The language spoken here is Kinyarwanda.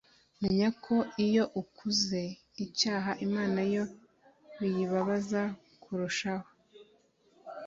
Menya ko iyokuze icyaha Imana yo biyibabaza kurushaho